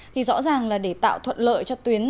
thì rõ ràng là để tạo thuận lợi cho tuyến